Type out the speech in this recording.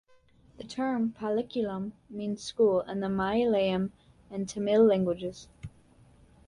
The term "Pallikoodam" means school in the Malayalam and Tamil languages.